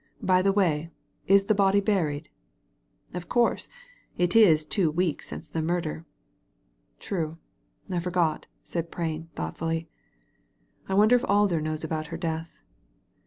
By the way, is the body buried ?"" Of course ; it is two weeks since the murder." "True, I foi^ot," said Prain, thoughtfully. "I wonder if Alder knows about her death."